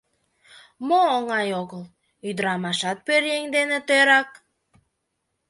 — Мо оҥай огыл, ӱдырамашат пӧръеҥ дене тӧрак.